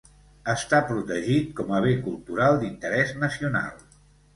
Està protegit com a bé cultural d'interès nacional.